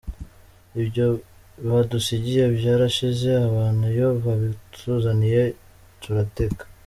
Ibyo badusigiye byarashize, abantu iyo babituzaniye turateka.